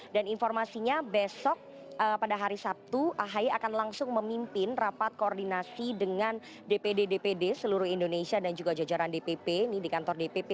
dan informasinya besok pada hari sabtu ahai akan langsung memimpin rapat koordinasi dengan dpd dpd seluruh indonesia dan juga jajaran dpp